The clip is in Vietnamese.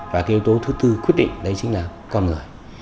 và cái yếu tố thứ tư quyết định đấy chính là con người